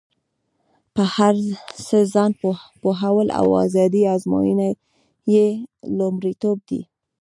په هر څه ځان پوهول او ازادي ازموینه یې لومړیتوب دی.